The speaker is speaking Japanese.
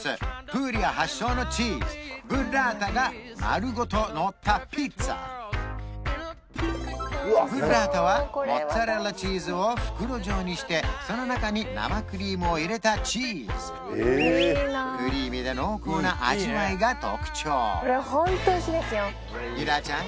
プーリア発祥のチーズブッラータが丸ごとのったピッツァブッラータはモッツァレラチーズを袋状にしてその中に生クリームを入れたチーズクリーミーで濃厚な味わいが特徴リラちゃん